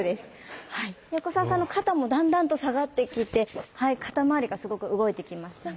横澤さんの肩もだんだんと下がってきて肩周りがすごく動いてきました。